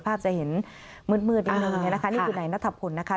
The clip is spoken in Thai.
ภาพจะเห็นมืดนิดหนึ่งนะคะนี่เป็นนายนัทธพลนะคะ